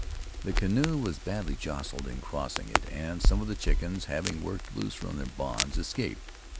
The canoe was badly jostled in crossing it, and some of the chickens, having worked loose from their bonds, escaped.